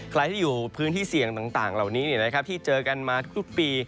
ใครที่อยู่พื้นที่เสี่ยงต่างเหล่านี้ที่เจอกันมาทุกปี